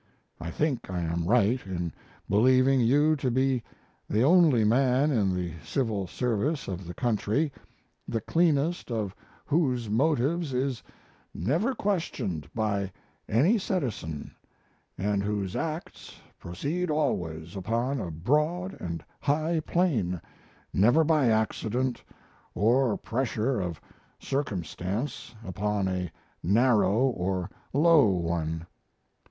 I think I am right in believing you to be the only man in the civil service of the country the cleanness of whose motives is never questioned by any citizen, & whose acts proceed always upon a broad & high plane, never by accident or pressure of circumstance upon a narrow or low one.